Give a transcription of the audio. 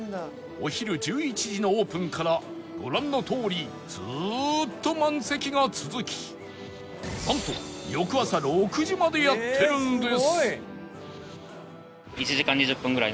お昼１１時のオープンからご覧のとおりずーっと満席が続きなんと翌朝６時までやってるんです